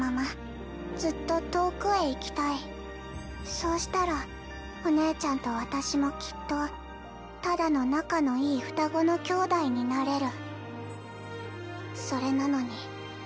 そうしたらお姉ちゃんと私もきっとただの仲のいい双子の姉妹になれる。